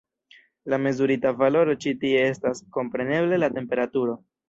La mezurita valoro ĉi tie estas, kompreneble, la temperaturo.